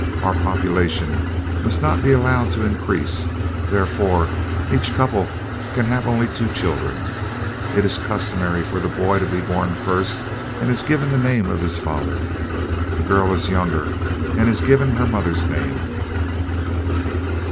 Our population must not be allowed to increase, therefore each couple can have only two children. It is customary for the boy to be born first, and is given the name of his father. The girl is younger, and is given her mother's name."